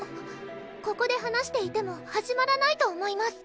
ここで話していても始まらないと思います